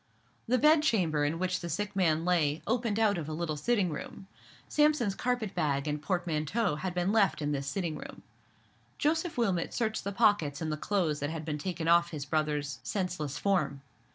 The bed chamber in which the sick man lay opened out of a little sitting room. Sampson's carpet bag and portmanteau had been left in this sitting room. Joseph Wilmot searched the pockets in the clothes that had been taken off his brother's senseless form.